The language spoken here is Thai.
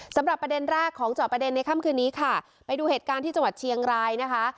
สำหรับประเด็นแรกของจอบประเด็นในค่ำคืนนี้ค่ะไปดูเหตุการณ์ที่จังหวัดเชียงรายนะคะ